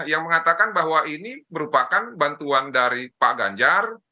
yang mengatakan bahwa ini merupakan bantuan dari pak ganjar